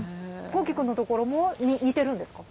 豪輝くんのところも似てるんですか？